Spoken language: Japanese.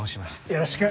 よろしく。